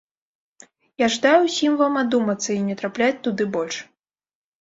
І жадаю ўсім вам адумацца і не трапляць туды больш!